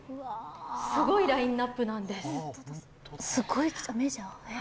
すごいラインナップなんです。